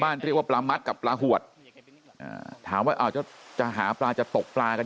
เรียกว่าปลามัดกับปลาหวดถามว่าจะหาปลาจะตกปลากัน